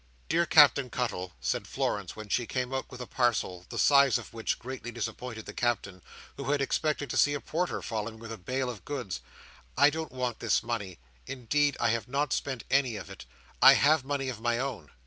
"Dear Captain Cuttle," said Florence, when she came out with a parcel, the size of which greatly disappointed the Captain, who had expected to see a porter following with a bale of goods, "I don't want this money, indeed. I have not spent any of it. I have money of my own."